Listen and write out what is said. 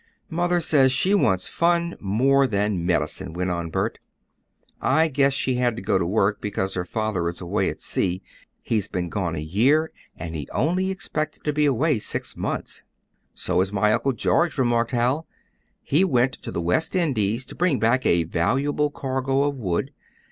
"Mother says she wants fun, more than medicine," went on Bert. "I guess she had to go to work because her father is away at sea. He's been gone a year and he only expected to be away six months." "So is my Uncle George," remarked Hal. "He went to the West Indies to bring back a valuable cargo of wood.